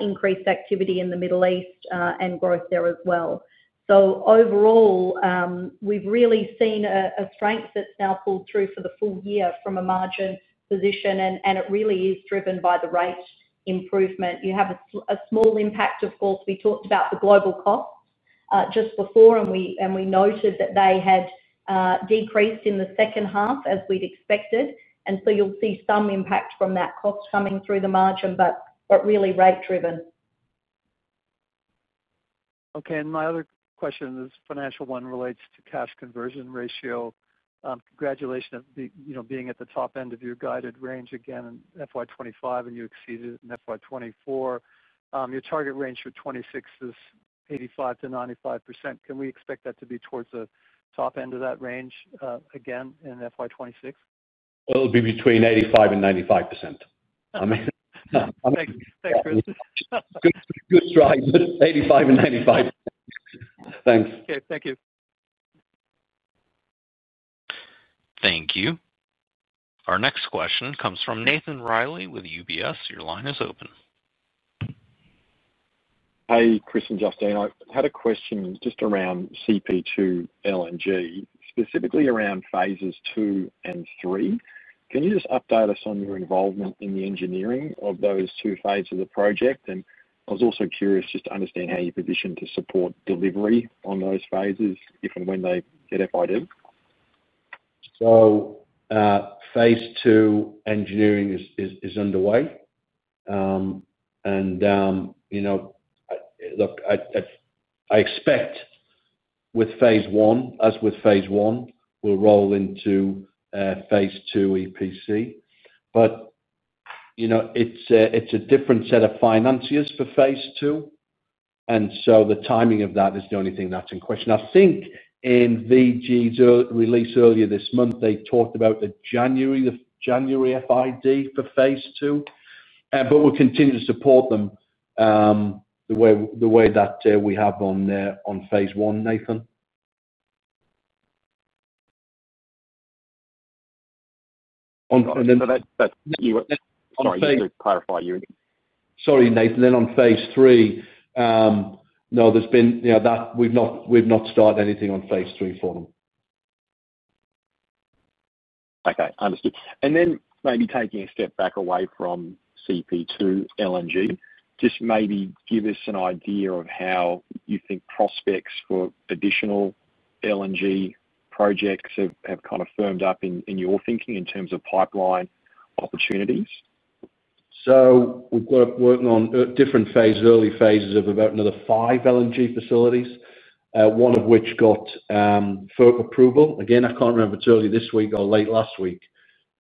increased activity in the Middle East and growth there as well. Overall, we've really seen a strength that's now pulled through for the full year from a margin position, and it really is driven by the rate improvement. You have a small impact. Of course, we talked about the global costs just before and we noted that they had decreased in the second half as we'd expected, and you'll see some impact from that cost coming through the margin, but really rate driven. Okay. My other question, this financial one relates to cash conversion ratio. Congratulations, being at the top end of your guided range again in FY 2025, and you exceeded in FY 2024. Your target range for FY 2026 is 85%-95%. Can we expect that to be towards the top end of that range again in FY 2026? It'll be between 85% and 95%. Thanks, Chris. Good stride, but 85% and 95%. Thanks. Okay, thank you. Thank you. Our next question comes from Nathan Reilly with UBS Investment Bank. Your line is open. Hey, Chris and Justine, I had a question just around CP2 LNG, specifically around Phases II and II. Can you just update us on your involvement in the engineering of those two phases of the project? I was also curious just to understand how you position to support delivery on those phases if and when they get FID. Phase II engineering is underway. I expect, as with Phase I, we'll roll into Phase II EPC, but it's a different set of financiers for Phase II, and the timing of that is the only thing that's in question. I think in Venture Global's release earlier this month, they talked about the January FID for Phase II, but we'll continue to support them the way that we have on Phase II, Nathan. Sorry, Nathan. Then on Phase III, we've not started anything on Phase III for them. Okay, understood. Maybe taking a step back away from CP2 LNG, just give us an idea of how you think prospects for additional LNG projects have kind of firmed up in your thinking in terms of pipeline opportunities. We've got working on different phases, early phases of about another five LNG facilities, one of which got FERC approval. I can't remember if it was earlier this week or late last week,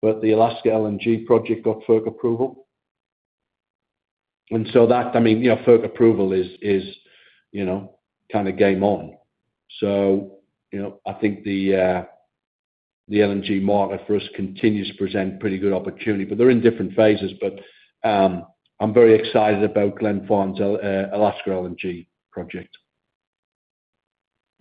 but the Alaska LNG project got FERC approval. That coming in, FERC approval is kind of game on. I think the LNG market for us continues to present pretty good opportunity, but they're in different phases. I'm very excited about Glenn Fawns' Alaska LNG project.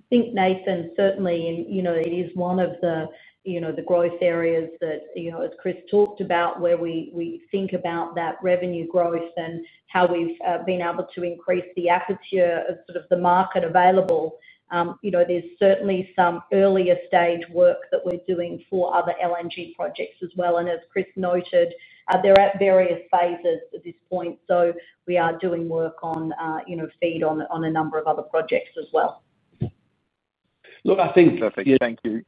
I think, Nathan, it is one of the growth areas that, as Chris talked about, where we think about that revenue growth and how we've been able to increase the aperture of the market available. There's certainly some earlier stage work that we're doing for other LNG projects as well. As Chris noted, they're at various phases at this point. We are doing work on feed on a number of other projects as well. Look, I think. Perfect, thank you.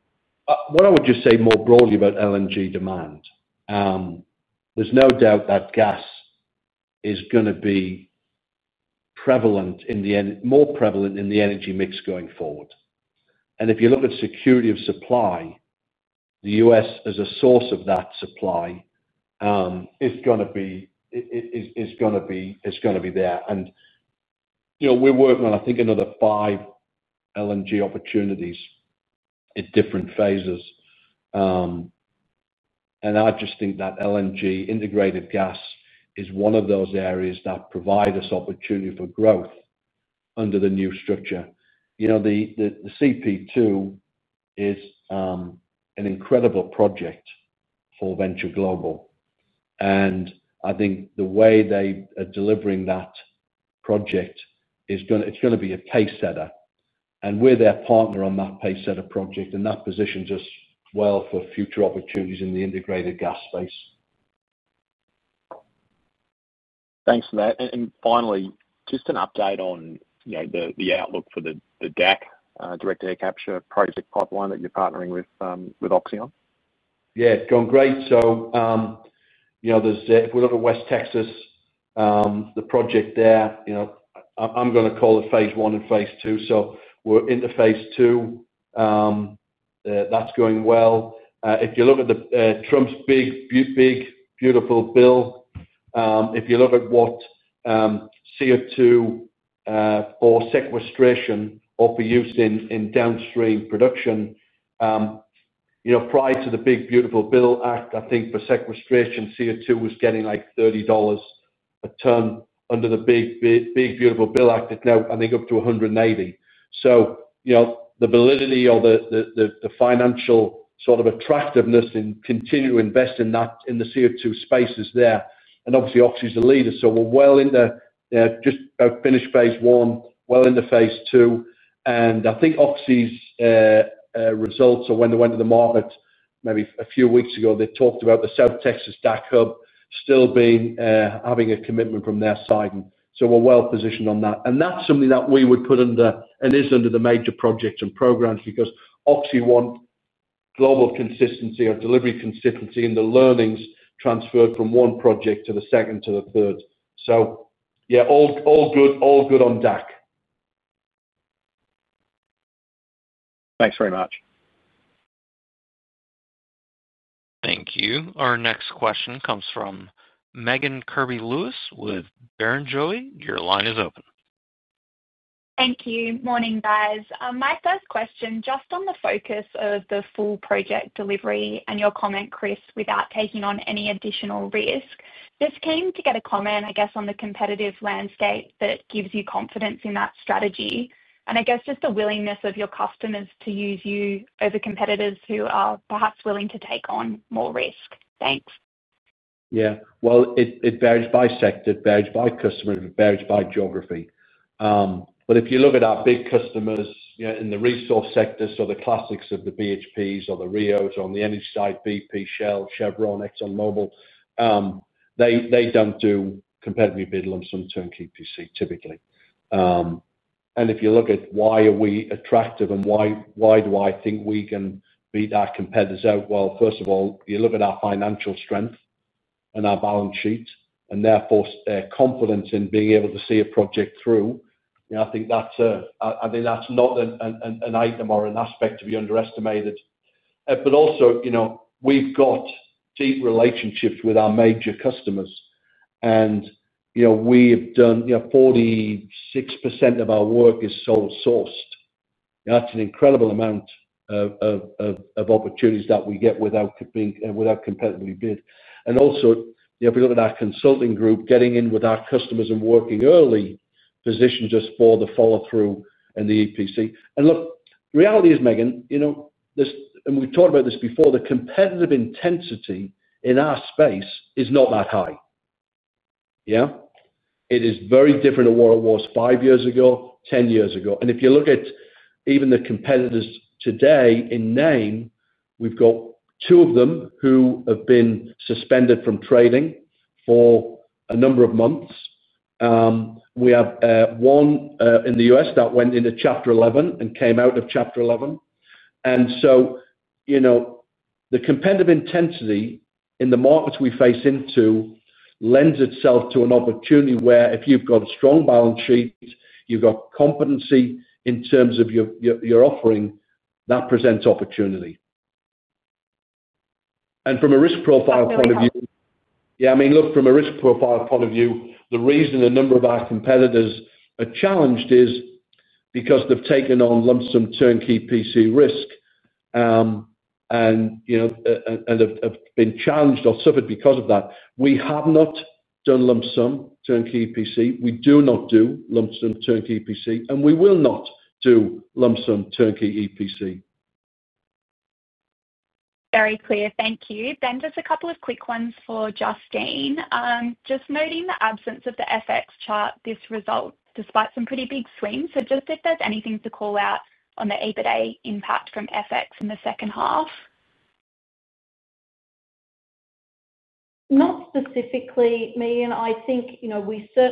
What I would just say more broadly about LNG demand, there's no doubt that gas is going to be prevalent, more prevalent in the energy mix going forward. If you look at security of supply, the U.S. as a source of that supply, it's going to be there. We're working on, I think, another five LNG opportunities at different phases. I just think that LNG integrated gas is one of those areas that provide us opportunity for growth under the new structure. The CP2 LNG facility is an incredible project for Venture Global, and I think the way they are delivering that project, it's going to be a pacesetter. We're their partner on that pacesetter project, and that positions us well for future opportunities in the integrated gas space. Thanks, Nat. Finally, just an update on the outlook for the DAC Direct Air Capture project pipeline that you're partnering with Oxy on. Yeah, great. If we look at West Texas, the project there, I'm going to call it phase one and phase two. We're into Phase II. That's going well. If you look at the Trump’s Big Beautiful Bill, if you look at what CO2 for sequestration or for use in downstream production, prior to the Big Beautiful Bill Act, I think for sequestration CO2 was getting like $30 a ton. Under the Big Beautiful Bill Act now, I think up to $180. The validity or the financial sort of attractiveness in continuing to invest in that, in the CO2 space, is there. Obviously, Oxy is the leader. We're well into, just finished Phase I, well into Phase II. I think Oxy's results are, when they went to the market maybe a few weeks ago, they talked about the South Texas DAC hub still having a commitment from their side. We're well positioned on that, and that's something that we would put under and is under the major projects and programs because Oxy wants global consistency or delivery consistency in the learnings transferred from one project to the second to the third. All good on DAC. Thanks very much. Thank you. Our next question comes from Megan Kirby-Lewis with Barrenjoey. Your line is open. Thank you. Morning, guys. My first question, just on the focus of the full project delivery and your comment, Chris, without taking on any additional risk. Just keen to get a comment, I guess, on the competitive landscape that gives you confidence in that strategy, and I guess just the willingness of your customers to use you over competitors who are perhaps willing to take on more risk. Thanks. Yeah, it varies by sector, varies by customer, and it varies by geography. If you look at our big customers in the resource sector, so the classics of the BHPs or the Rios, on the energy side, BP, Shell, Chevron, Exxon Mobil, they don't do competitive bid lump sum turnkey typically. If you look at why are we attractive and why do I think we can beat our competitors out, first of all, you look at our financial strength and our balance sheet and therefore confidence in being able to see a project through. I think that's not an item or an aspect to be underestimated. We've got deep relationships with our major customers, and 46% of our work is sole sourced. That's an incredible amount of opportunities that we get without being competitively bid. If we look at our consulting group getting in with our customers and working early position just for the follow through and the EPC. Reality is, Megan, you know this and we've talked about this before, the competitive intensity in our space is not that high. It is very different to what it was five years ago, 10 years ago. If you look at even the competitors today in name, we've got two of them who have been suspended from trading for a number of months. We have one in the U.S. that went into Chapter 11 and came out of Chapter 11. The competitive intensity in the markets we face into lends itself to an opportunity where if you've got a strong balance sheet, you've got competency in terms of your offering, that presents opportunity. From a risk profile point of view, the reason a number of our competitors are challenged is because they've taken on lump sum turnkey EPC risk and have been challenged or suffered because of that. We have not done lump sum turnkey EPC. We do not do lump sum turnkey EPC and we will not do lump sum turnkey EPC. Very clear, thank you. Just a couple of quick ones for Justine. Noting the absence of the FX chart, this result is despite some pretty big swings. If there's anything to call out on the EBITDA impact from FX in the second half. Not specifically, and I think, as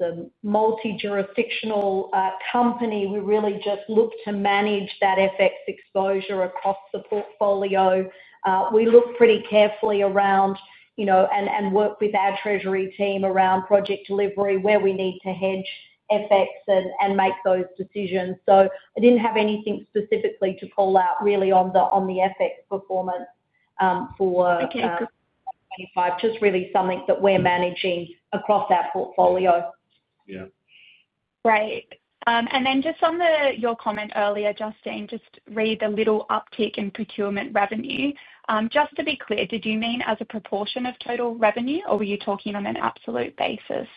a multi-jurisdictional company, we really just look to manage that FX exposure across the portfolio. We look pretty carefully and work with our treasury team around project delivery where we need to hedge FX and make those decisions. I didn't have anything specifically to call out on the FX performance for FY 2025. It's really something that we're managing across our portfolio. Yeah, great. On your comment earlier, Justine, regarding the little uptick in procurement revenue, just to be clear, did you mean as a proportion of total revenue or were you talking on an absolute basis?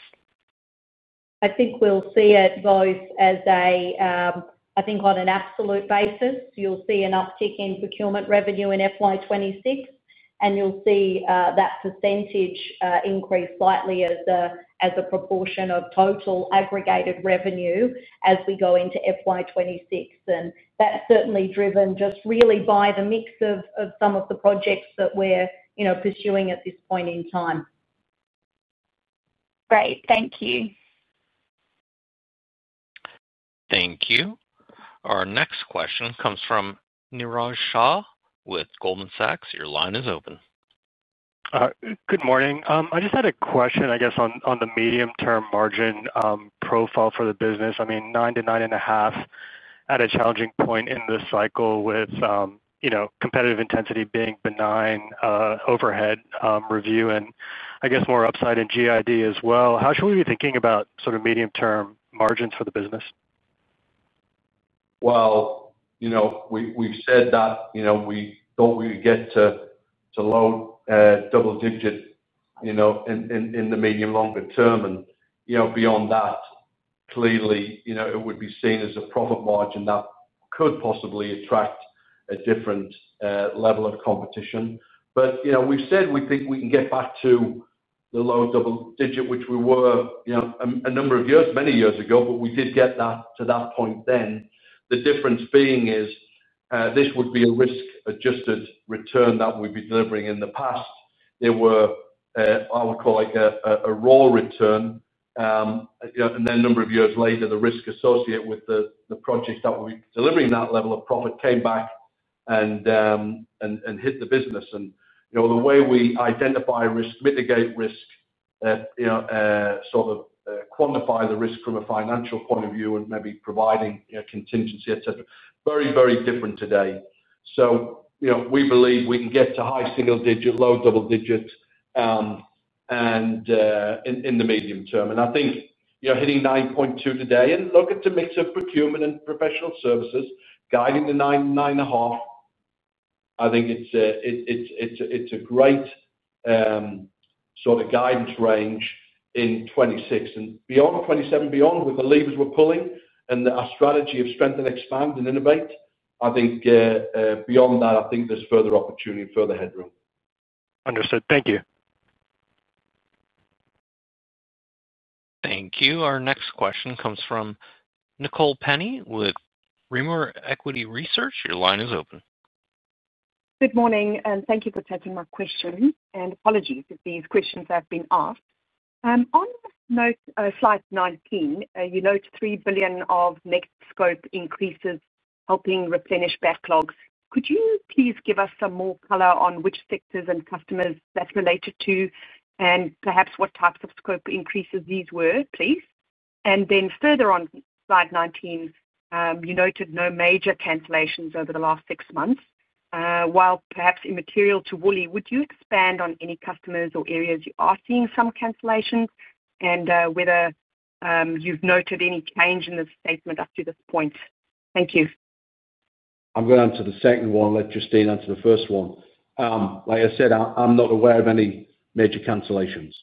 I think we'll see it both. I think on an absolute basis you'll see an uptick in procurement revenue in FY 2026, and you'll see that percentage increase slightly as a proportion of total aggregated revenue as we go into FY 2026. That's certainly driven by the mix of some of the projects that we're pursuing at this point in time. Great, thank you. Thank you. Our next question comes from Niraj Shah with Goldman Sachs. Your line is open. Good morning. I just had a question, I guess on the medium term margin profile for the business. I mean 9%-9.5% at a challenging point in the cycle with, you know, competitive intensity being benign, overhead review and I guess more upside in GID as well. How should we be thinking about sort of medium term margins for the business? You know, we've said that we thought we would get to low double digits in the medium, longer term and beyond that clearly it would be seen as a profit margin up, could possibly attract a different level of competition. We've said we think we can get back to the low double digit, which we were a number of years, many years ago. We did get to that point. The difference being is this would be a risk adjusted return that we'd be delivering. In the past there were, I would call it a raw return. A number of years later the risk associated with the project that will be delivering that level of profit came back and hit the business. The way we identify risk, mitigate risk, sort of quantify the risk from a financial point of view and maybe providing contingency, et cetera, is very, very different today. We believe we can get to high single digit, low double digit in the medium term. I think hitting 9.2% today and looking at the mix of procurement and professional services guided to 9%, 9.5%, I think it's a great sort of guidance range in 2026 and beyond, 2027 beyond with the levers we're pulling and our strategy of strength and expand and innovate. I think beyond that, there's further opportunity, further headroom. Understood. Thank you. Thank you. Our next question comes from Nicole Penny with Rimor Equity Research. Your line is open. Good morning and thank you for taking my question and apologies if these questions have been asked. On Slide 19, you note $3 billion of net scope increases helping replenish backlogs. Could you please give us some more color on which sectors and customers that's related to and perhaps what types of scope increases these were, please. Further on Slide 19, you noted no major cancellations over the last six months. While perhaps immaterial to Worley, would you expand on any customers or areas you are seeing some cancellations and whether you've noted any change in the statement up to this point? Thank you. I'm going to answer the second one. Let Justine answer the first one. Like I said, I'm not aware of any major cancellations.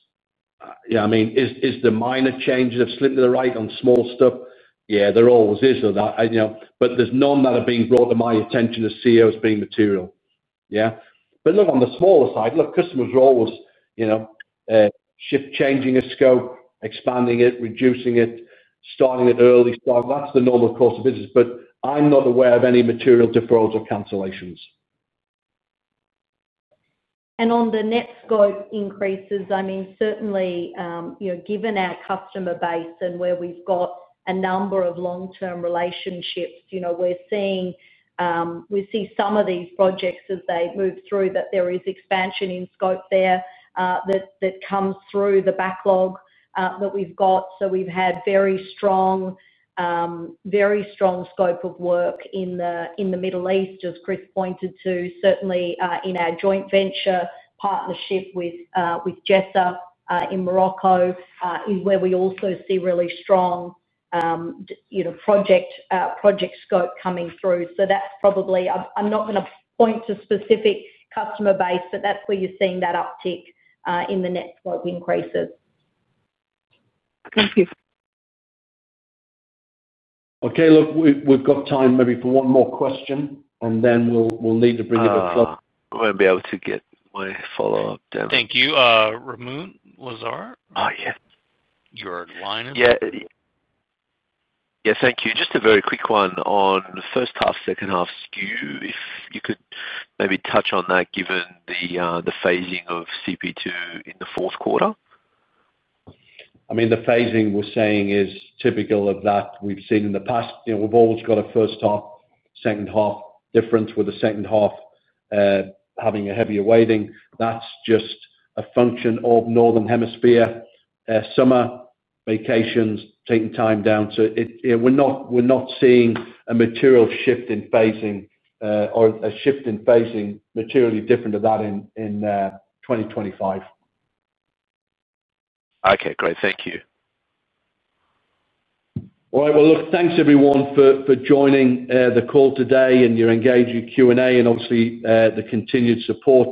I mean, is there minor changes of slipping to the right on small stuff? Yeah, there always is. There's none that are being brought to my attention as CEO as being material. On the smaller side, customers are always changing a scope, expanding it, reducing it, starting at early start. That's the normal course of business. I'm not aware of any material deferrals or cancellations. On the net scope increases, certainly, given our customer base and where we've got a number of long-term relationships, we're seeing some of these projects as they move through that there is expansion in scope there that comes through the backlog that we've got. We've had very strong scope of work in the Middle East, as Chris pointed to, certainly in our joint venture partnership with JESA in Morocco, where we also see really strong project scope coming through. That's probably, I'm not going to point to specific customer base, but that's where you're seeing that uptick in the net increases. Thank you. Okay, look, we've got time maybe for one more question and then we'll need to bring it. We'll be able to get my follow up. Thank you, Ramoun Lazar. Yeah, thank you. Just a very quick one on first half, second half skew. If you could maybe touch on that, given the phasing of CP2 in the fourth quarter. The phasing we're saying is typical of that we've seen in the past. You know, we've always got a first half, second half difference with the second half having a heavier weighting. That's just a function of Northern Hemisphere summer vacations taking time down. We're not seeing a material shift in phasing or a shift in phasing materially different of that in 2025. Okay, great. Thank you. Thanks everyone for joining the call today and your engagement with Q&A and obviously the continued support.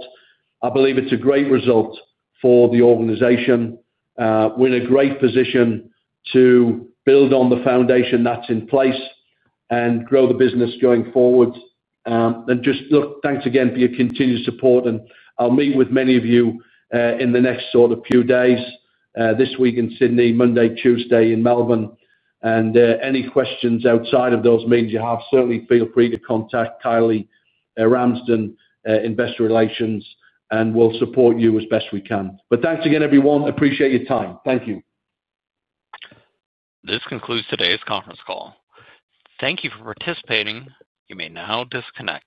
I believe it's a great result for the organization. We're in a great position to build on the foundation that's in place and grow the business going forward. Thanks again for your continued support and I'll meet with many of you in the next sort of few days this week in Sydney, Monday, Tuesday in Melbourne. Any questions outside of those meetings you have, certainly feel free to contact Kylie Ramsden, Investor Relations, and we'll support you as best we can. Thanks again, everyone. Appreciate your time. Thank you. This concludes today's conference call. Thank you for participating. You may now disconnect.